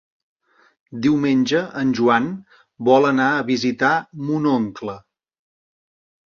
Diumenge en Joan vol anar a visitar mon oncle.